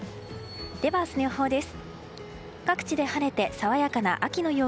では、明日の予報です。